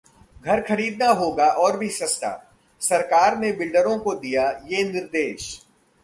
घर खरीदना होगा और भी सस्ता, सरकार ने बिल्डरों को दिया ये निर्देश